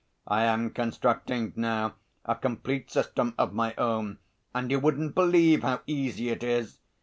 I am constructing now a complete system of my own, and you wouldn't believe how easy it is!